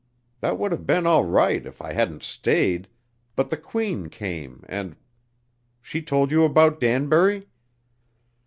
That would have been all right if I hadn't stayed, but the Queen came and she told you about Danbury?"